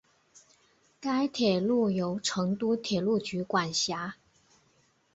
该铁路由成都铁路局管辖。